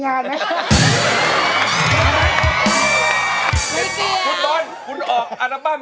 ไม่ใช่อัลบั้ม